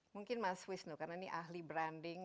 mungkin mas wisnu karena ini ahli branding